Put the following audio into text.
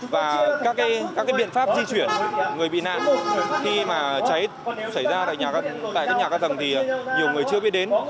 và các cái biện pháp di chuyển người bị nạn khi mà cháy xảy ra tại nhà ca tầng thì nhiều người chưa biết đến